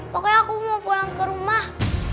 pokoknya aku mau pulang ke rumah